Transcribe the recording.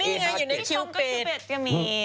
นี่ยังอยู่ในคิวปิดยังมี